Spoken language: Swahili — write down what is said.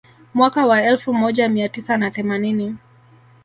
Mwaka wa elfu moja mia tisa na themanini